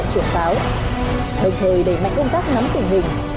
đồng thời đẩy mạnh công tác nắm tình hình